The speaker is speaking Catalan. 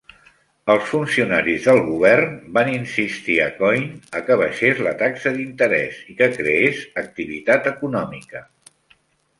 Els funcionaris del Govern van insistir a Coyne a que baixés la taxa d"interès i que creés activitat econòmica.